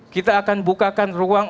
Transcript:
kita akan bukakan ruang